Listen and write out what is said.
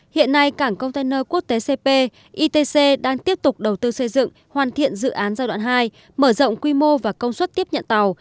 hiện nay cảng container quốc tế cp itc đang tiếp tục đầu tư xây dựng hoàn thiện dự án giai đoạn hai mở rộng quy mô và công suất tiếp nhận tàu